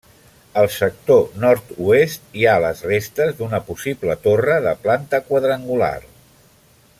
Al sector nord-oest hi ha les restes d'una possible torre, de planta quadrangular.